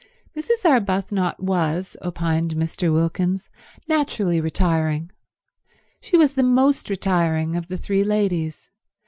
Mrs. Arbuthnot was, opined Mr. Wilkins, naturally retiring. She was the most retiring of the three ladies.